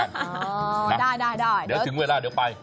เดี๋ยวถึงเวลาเดี๋ยวไป